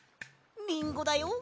リンゴだよ。